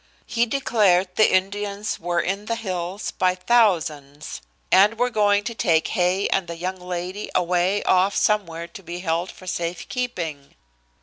He declared the Indians were in the hills by thousands, and were going to take Hay and the young lady away off somewhere to be held for safe keeping.